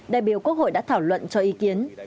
đại biểu quốc hội đã thảo luận cho ý kiến